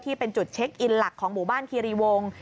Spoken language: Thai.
ที่เป็นจุดเช็คอินหลักของหมู่บ้านคีรีวง